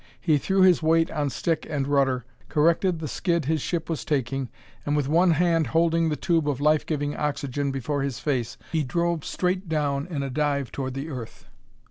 He threw his weight on stick and rudder, corrected the skid his ship was taking, and, with one hand holding the tube of life giving oxygen before his face, he drove straight down in a dive toward the earth.